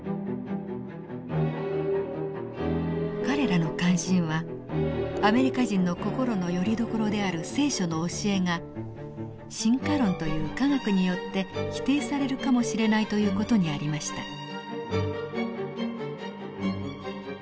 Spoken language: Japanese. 彼らの関心は「アメリカ人の心のよりどころである『聖書』の教えが進化論という科学によって否定されるかもしれない」という事にありました。